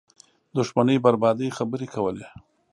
دښمنۍ بربادۍ خبرې کولې